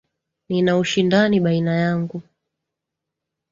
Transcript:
Nina ushindani baina yangu.